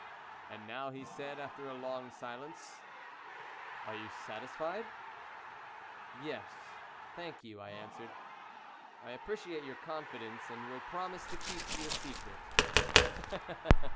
"And now," he said, after a long silence, "are you satisfied?" "Yes, thank you," I answered. "I appreciate your confidence, and will promise to keep your secret."